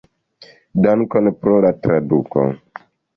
Dankon pro la traduko.